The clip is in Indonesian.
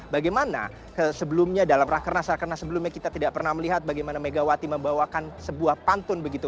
bagaimana sebelumnya dalam rakernas rakernas sebelumnya kita tidak pernah melihat bagaimana megawati membawakan sebuah pantun begitu